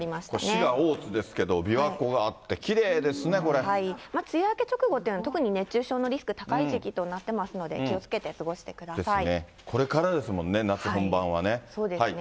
滋賀・大津ですけれども、琵琶湖があってきれいですね、梅雨明け直後というのは特に熱中症のリスク高い時期となってますので、気をつけて過ごしてくこれからですもんね、夏本番そうですね。